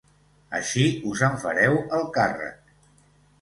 Així us en fareu el càrrec.